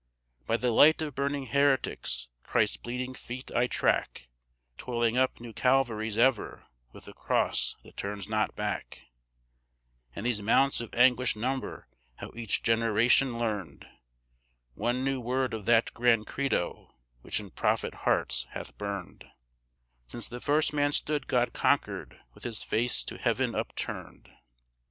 By the light of burning heretics Christ's bleeding feet I track, Toiling up new Calvaries ever with the cross that turns not back, And these mounts of anguish number how each generation learned One new word of that grand Credo which in prophet hearts hath burned Since the first man stood God conquered with his face to heaven upturned.